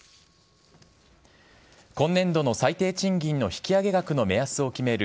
今年度の最低賃金の引き上げ額の目安を決める